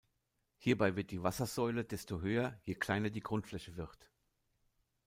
Hierbei wird die Wassersäule desto höher, je kleiner die Grundfläche wird.